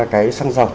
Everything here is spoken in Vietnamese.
cái xăng dầu